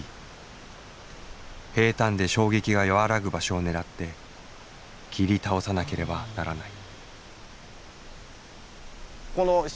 平たんで衝撃が和らぐ場所を狙って切り倒さなければならない。